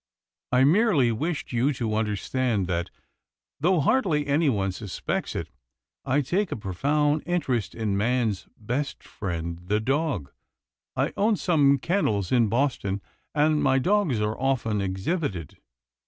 I merely wished you to understand that, though hardly anyone suspects it, I take a profound interest in man's best friend, the dog. I own some kennels in Boston, and my dogs are often exhibited.